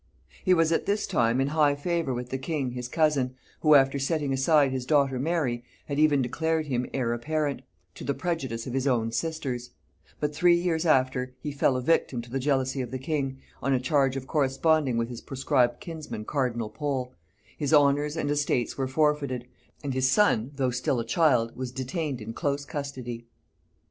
He was at this time in high favor with the king his cousin, who, after setting aside his daughter Mary, had even declared him heir apparent, to the prejudice of his own sisters: but three years after he fell a victim to the jealousy of the king, on a charge of corresponding with his proscribed kinsman cardinal Pole: his honors and estates were forfeited; and his son, though still a child, was detained in close custody.